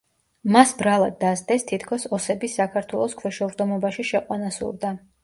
მას ბრალად დასდეს, თითქოს ოსების საქართველოს ქვეშევრდომობაში შეყვანა სურდა.